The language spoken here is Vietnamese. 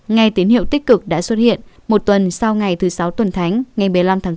ngay tín hiệu tích cực đã xuất hiện một tuần sau ngày thứ sáu tuần thánh ngày một mươi năm tháng bốn